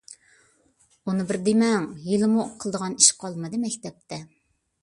ئۇنى بىر دېمەڭ، ھېلىمۇ قىلىدىغان ئىش قالمىدى مەكتەپتە.